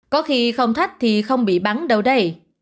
có khi không thách thì không bị bắn đâu đây